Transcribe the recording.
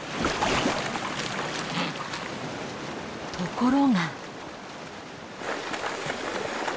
ところが。